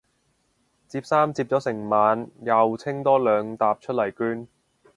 摺衫摺咗成晚又清多兩疊出嚟捐